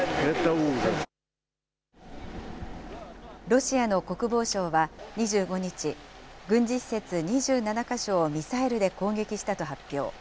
ロシアの国防省は２５日、軍事施設２７か所をミサイルで攻撃したと発表。